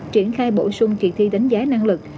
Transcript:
triển khai bổ sung kỳ thi đánh giá năng lực